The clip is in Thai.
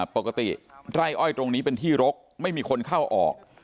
ปกติไร่อ้อยตรงนี้เป็นที่รกไม่มีคนเข้าออก